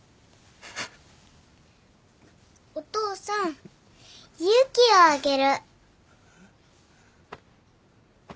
お父さん勇気をあげる